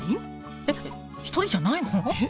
えっ１人じゃないの？